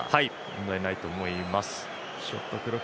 問題ないと思います。